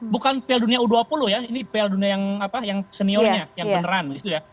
bukan piala dunia u dua puluh ya ini piala dunia yang senior nya yang beneran